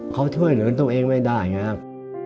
เขาช่วยเหลือตัวเองไม่ได้ไงครับ